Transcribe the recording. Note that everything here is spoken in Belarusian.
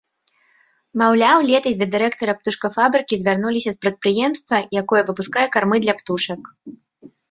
Маўляў, летась да дырэктара птушкафабрыкі звярнуліся з прадпрыемства, якое выпускае кармы для птушак.